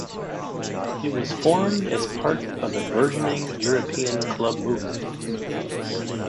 It was formed as part of the burgeoning European club movement.